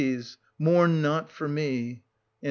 Mourn not for me. An.